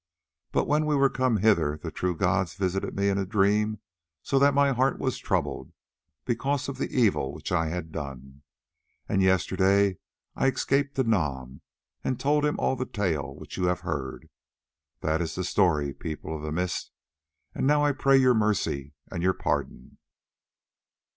But when we were come hither the true gods visited me in a dream so that my heart was troubled because of the evil which I had done, and yesterday I escaped to Nam and told him all the tale which you have heard. That is the story, People of the Mist, and now I pray your mercy and your pardon."